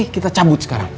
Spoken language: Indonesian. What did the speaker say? kita cabut sekarang